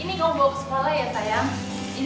ini kamu bawa ke sekolah ya sayang